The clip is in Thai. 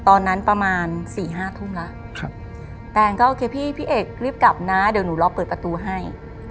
ตอนนั้นประมาณ๔๕ทุ่มแล้วแตนก็โอเคพี่พี่เอกรีบกลับนะเดี๋ยวหนูรอเปิดประตูให้